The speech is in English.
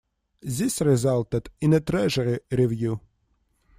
This resulted in a Treasury review.